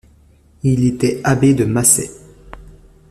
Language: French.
Il était abbé de Massay.